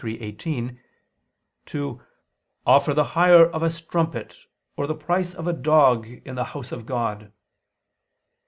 23:18) to offer "the hire of a strumpet or the price of a dog in the house of ... God."